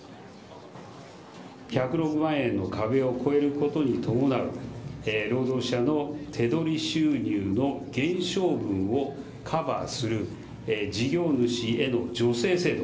１０６万円の壁を越えることに伴う労働者の手取り収入の減少分をカバーする事業主への助成制度、